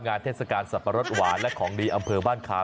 เทศกาลสับปะรดหวานและของดีอำเภอบ้านคา